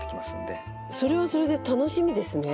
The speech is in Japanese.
それはそれで楽しみですね。